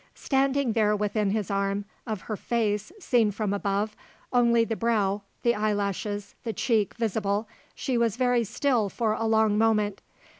Standing there within his arm, of her face, seen from above, only the brow, the eyelashes, the cheek visible, she was very still for a long moment.